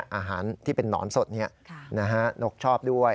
อาหารที่เป็นนอนสดนกชอบด้วย